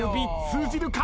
通じるか？